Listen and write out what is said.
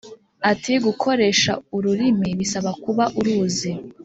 ati “gukoresha ururimi bisaba kuba uruzi.